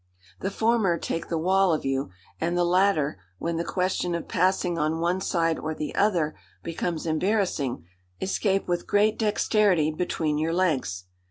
The former take the wall of you, and the latter, when the question of passing on one side or the other becomes embarrassing, escape with great dexterity between your legs.